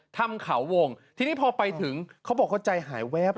ถ้ำขาววงที่นี่พอไปถึงเขาบอกว่าใจหายแว๊บ